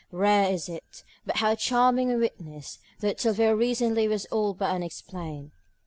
Rare is it, but how charming when witnessed, though till very recently it was all but unexplained.